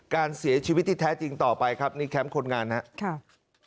การเสียชีวิตที่แท้จริงต่อไปครับนี่แคมป์คนงานนะครับ